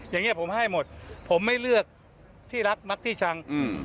อย่างนี้ผมให้หมดผมไม่เลือกที่รักมักที่ชังอืม